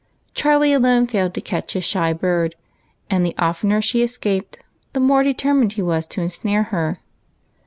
Charlie alone failed to catch his shy bird, and thei oftener she escaped the more determined he was to ensnare her.